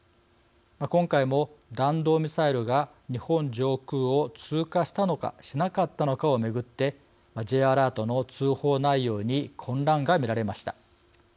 今回も弾道ミサイルが日本上空を通過したのかしなかったのかを巡ってＪアラートの通報内容に混乱が見られました。